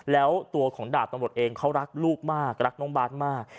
แล้วตัวของดาบตำรวจเองเขารักลูกมากรักน้องบาทมาก